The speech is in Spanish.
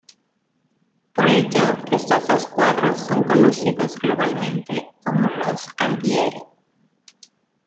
Por ello estos dos cuadros son conocidos globalmente como los "Altieri".